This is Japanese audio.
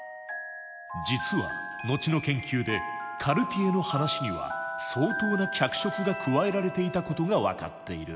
実は後の研究でカルティエの話には相当な脚色が加えられていたことが分かっている。